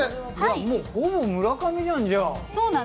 ほぼ村上じゃん、じゃあ。